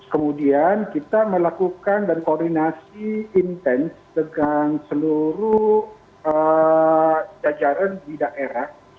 kemudian kita melakukan dan koordinasi intens dengan seluruh jajaran di daerah